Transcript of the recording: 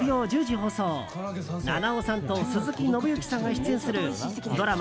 放送菜々緒さんと鈴木伸之さんが出演するドラマ